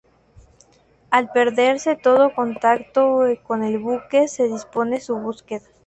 Al perderse todo contacto con el buque se dispone su búsqueda.